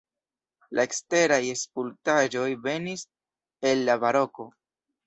La eksteraj skulptaĵoj venis el la baroko.